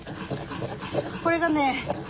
これがね